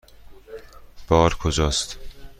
بار کجاست؟